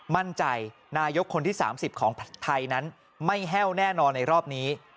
มั่นใจนายกคนที่๓๐ของไทยนั้นไม่แห้วแน่นอนในรอบนี้